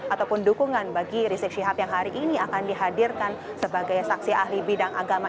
ataupun dukungan bagi rizik syihab yang hari ini akan dihadirkan sebagai saksi ahli bidang agama